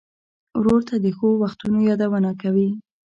ورور ته د ښو وختونو یادونه کوې.